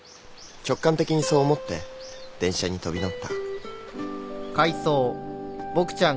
直感的にそう思って電車に飛び乗った。